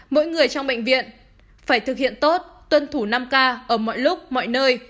mỗi người trong bệnh viện phải thực hiện tốt tuân thủ năm k ở mọi lúc mọi nơi